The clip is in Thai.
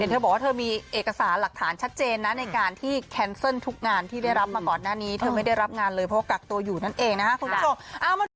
เธอบอกว่าเธอมีเอกสารหลักฐานชัดเจนนะในการที่แคนเซิลทุกงานที่ได้รับมาก่อนหน้านี้เธอไม่ได้รับงานเลยเพราะว่ากักตัวอยู่นั่นเองนะครับคุณผู้ชม